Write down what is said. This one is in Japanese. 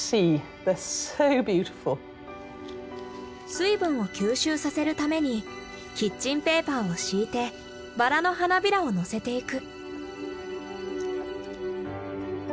水分を吸収させるためにキッチンペーパーを敷いてバラの花びらを載せていく。